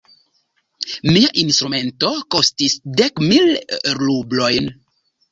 Mia instrumento kostis dek mil rublojn.